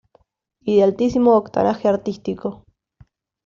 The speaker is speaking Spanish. Y de altísimo octanaje artístico.